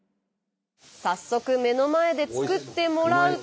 早速目の前で作ってもらうと。